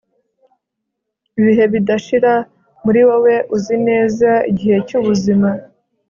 ibihe bidashira muri wowe uzi neza igihe cyubuzima